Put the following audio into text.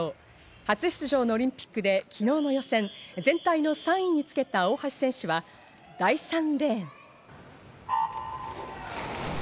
初出場のオリンピックで昨日の予選、全体の３位につけた大橋選手は第３レーン。